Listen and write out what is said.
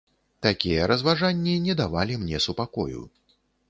Такія разважанні не давалі мне супакою.